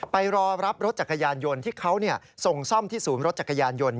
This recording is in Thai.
ไปรอรับรถจักรยานยนต์ที่เขาส่งซ่อมที่ศูนย์รถจักรยานยนต์